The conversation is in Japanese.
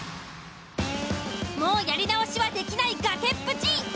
もうやり直しはできない崖っぷち。